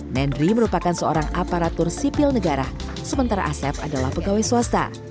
nendri merupakan seorang aparatur sipil negara sementara asef adalah pegawai swasta